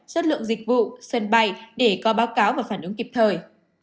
chất lượng dịch vụ sân bay để có báo cáo và phản ứng kịp thời